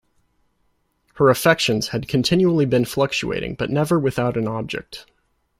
Her affections had continually been fluctuating but never without an object.